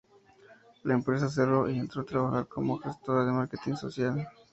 La empresa cerró y entró a trabajar como gestora de marketing social.